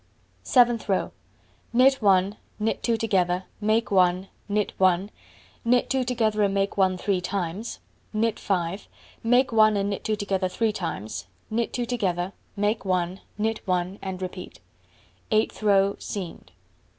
Seventh row: Knit 1, knit 2 together, make 1, knit 1 (knit 2 together and make 1 three times), knit 5 (make 1 and knit 2 together three times), knit 2 together, make 1, knit 1, and repeat. Eighth row: Seamed.